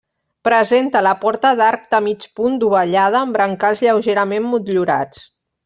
Presenta la porta d'arc de mig punt dovellada amb brancals lleugerament motllurats.